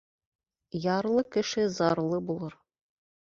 Ярлы кеше зарлы булыр